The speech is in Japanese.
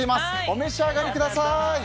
お召し上がりください。